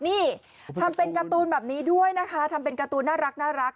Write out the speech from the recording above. นี่ทำเป็นการ์ตูนแบบนี้ด้วยนะคะทำเป็นการ์ตูนน่ารัก